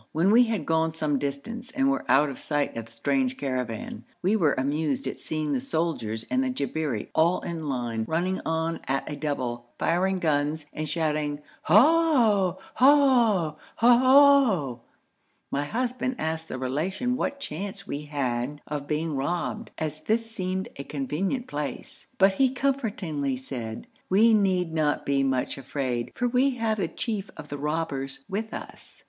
When we had gone some distance, and were out of sight of the strange caravan, we were amused at seeing the soldiers and the Jabberi, all in line, running on at a double, firing guns, and shouting, 'Hohh! Hohh! Hohh!' My husband asked the Relation what chance we had of being robbed, as this seemed a convenient place, but he comfortingly said, 'We need not be much afraid, for we have the chief of the robbers with us.'